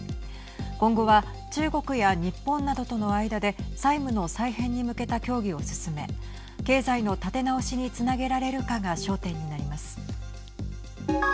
今後は、中国や日本などとの間で債務の再編に向けた協議を進め経済の立て直しにつなげられるかが焦点になります。